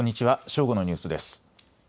正午のニュースです。